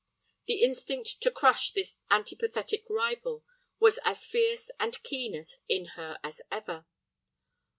The instinct to crush this antipathetic rival was as fierce and keen in her as ever.